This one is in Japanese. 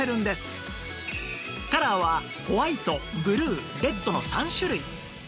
カラーはホワイトブルーレッドの３種類